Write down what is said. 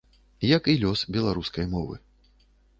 Як і лёс беларускай мовы.